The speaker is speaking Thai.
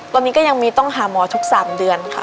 ตอนนี้ก็ยังมีต้องหาหมอทุก๓เดือนค่ะ